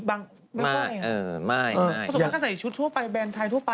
ประสบความค่าใส่ชุดทั่วไปแบรนด์ไทยทั่วไป